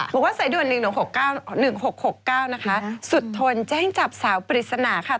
บอกว่าสายด่วน๑๑๖๙๑๖๖๙นะคะสุดทนแจ้งจับสาวปริศนาค่ะ